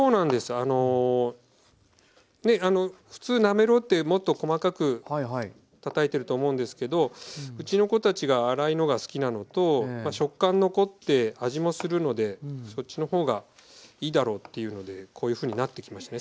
あの普通なめろうってもっと細かくたたいてると思うんですけどうちの子たちが粗いのが好きなのと食感残って味もするのでそっちの方がいいだろうっていうのでこういうふうになってきましたね。